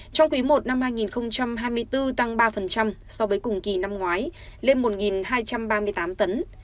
trong quý i năm hai nghìn hai mươi bốn tăng ba so với cùng kỳ năm ngoái lên một hai trăm ba mươi tám tấn